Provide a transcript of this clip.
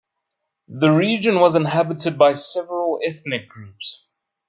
The region was inhabited by several ethnic groups.